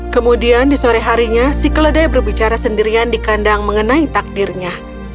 kemudian di sore harinya si keledai berbicara sendirian di kandang mengenai takdirnya